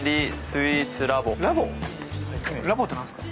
ラボって何すか？